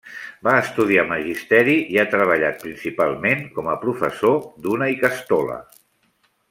Va estudiar Magisteri i ha treballat principalment com a professor d'una ikastola.